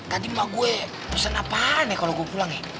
tadi mama gue pesan apaan ya kalau gue pulang ya